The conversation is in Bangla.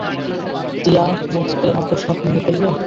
তিয়ামুতকে অকস্মাৎ মেরে ফেললে?